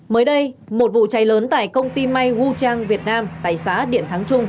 mới đây một vụ cháy lớn tại công ty may wu chang việt nam tại xã điện thắng trung